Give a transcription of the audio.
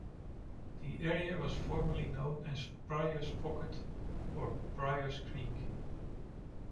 The area was formerly known as Priors Pocket or Priors Creek.